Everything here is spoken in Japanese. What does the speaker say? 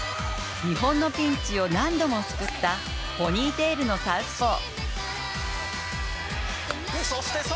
日本のピンチを何度も救ったポニーテールのサウスポー。